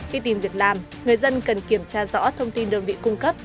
khi tìm việc làm người dân cần kiểm tra rõ thông tin đơn vị cung cấp